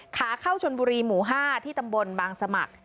ขาเข้าชนบุรีหมู่๕ที่ตำบลบางสมัคร